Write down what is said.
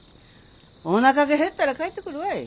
おなかが減ったら帰ってくるわい。